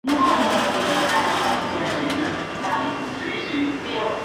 Se halla distribuida en los Andes.